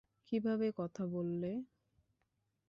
কীভাবে কথা বললে?